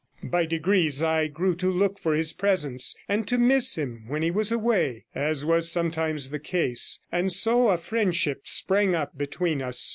By degrees I grew to look for his presence, and to miss him when he was away, as was sometimes the case, and so a friendship sprang up between us.